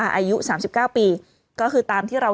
อายุ๓๙ปีก็คือตามที่เรา